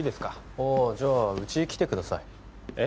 ああじゃあうちへ来てくださいえっ？